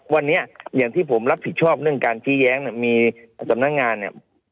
วันนี้อย่างที่ผมรับผิดชอบเรื่องการชี้แย้งเนี่ยมีสำนักงานเนี่ย